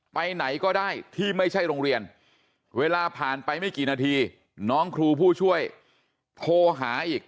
ไปไหนก็ได้ที่ไม่ใช่โรงเรียนเวลาผ่านไปไม่กี่นาทีน้องครูผู้ช่วยโทรหาอีก